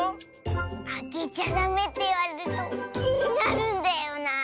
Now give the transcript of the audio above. あけちゃダメっていわれるときになるんだよなあ。